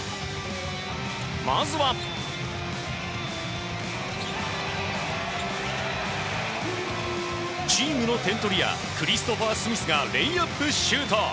まずは、チームの点取り屋クリストファー・スミスがレイアップシュート。